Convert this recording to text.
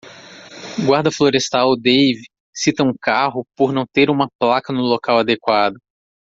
Guarda florestal Dave cita um carro por não ter uma placa no local adequado